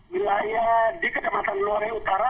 wilayah di kedamatan luar utara